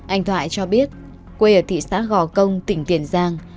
anh thoại cho biết quê ở thị xã gò công tỉnh tiền giang